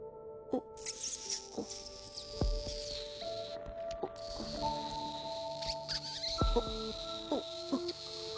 あっうっ。